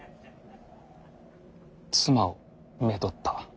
妻をめとった。